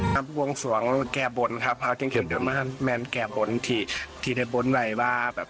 ครับวงสวงแกบนครับครับแมนแกบนที่ที่ได้บนไว้ว่าแบบ